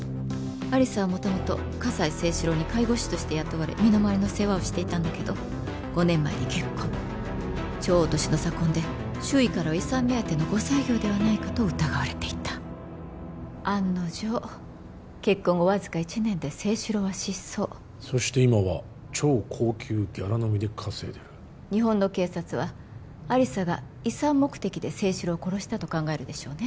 亜理紗は元々葛西征四郎に介護士として雇われ身の回りの世話をしていたんだけど５年前に結婚超年の差婚で周囲からは遺産目当ての後妻業ではないかと疑われていた案の定結婚後わずか１年で征四郎は失踪そして今は超高級ギャラ飲みで稼いでる日本の警察は亜理紗が遺産目的で征四郎を殺したと考えるでしょうね